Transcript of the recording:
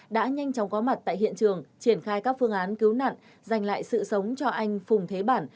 đã nhanh chóng có mặt tại hiện trường triển khai các phương án cứu nạn dành lại sự sống cho anh phùng thế bản